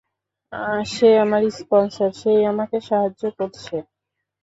সে আমার স্পনসর, সে-ই আমাকে সাহায্য করা করছে।